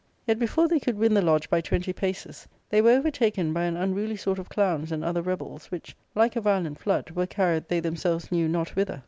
Yet, before they could win* the lodge by twenty paces, they were j'^'overtaken by an unruly sort of clowns and other rebels, which, like a violent flood, were carried they themselves knew not whither.'